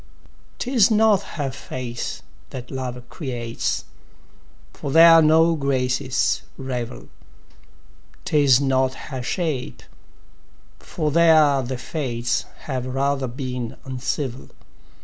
'Tis not her face that love creates, For there no graces revel; 'Tis not her shape, for there the fates Have rather been uncivil.